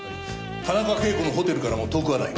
田中啓子のホテルからも遠くはない。